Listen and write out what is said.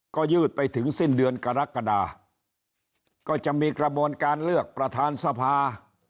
ก็ยืดไปถึงสิ้นเดือนกรกฎาก็จะมีกระบวนการเลือกประธานสภา